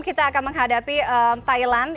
kita akan menghadapi thailand